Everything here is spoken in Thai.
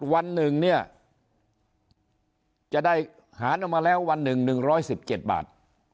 วันหนึ่งเนี่ยจะได้หารออกมาแล้ววันหนึ่ง๑๑๗บาท